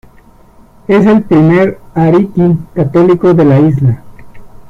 Es el primer ariki católico de la Isla.